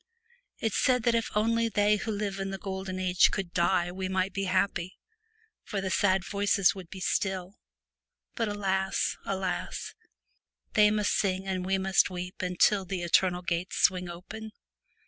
It said that if J 74 only they who live in the Golden Age The could die we might be happy, for the sad voices would be still ; but alas ! alas ! they must sing and we must weep until the Eternal gates swing open.